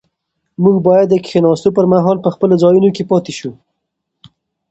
موږ باید د کښېناستو پر مهال په خپلو ځایونو کې پاتې شو.